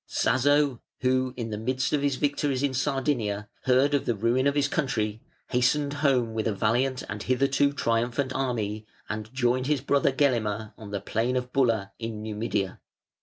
Tzazo, who, in the midst of his victories in Sardinia, heard of the ruin of his country, hastened home with a valiant and hitherto triumphant army, and joined his brother, Gelimer, on the plain of Bulla, in Numidia.